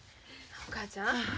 お母ちゃん。